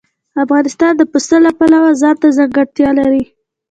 افغانستان د پسه د پلوه ځانته ځانګړتیا لري.